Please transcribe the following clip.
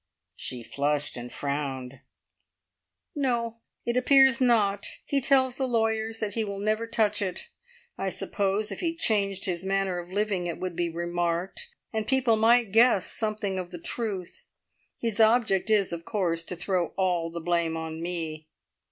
She flushed and frowned. "No. It appears not. He tells the lawyers that he will never touch it. I suppose if he changed his manner of living it would be remarked, and people might guess something of the truth. His object is, of course, to throw all the blame on me."